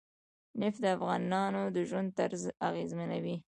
نفت د افغانانو د ژوند طرز اغېزمنوي.